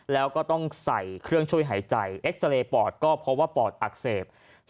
แล้วก็ต้องใส่เครื่องช่วยหายใจเอ็กซาเรย์ปอดก็เพราะว่าปอดอักเสบ